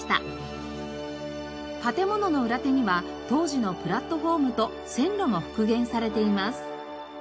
建物の裏手には当時のプラットフォームと線路も復元されています。